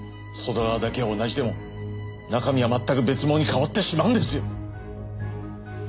外側だけは同じでも中身はまったく別ものに変わってしまうんですよ。